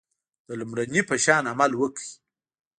د لومړني په شان عمل وکړئ.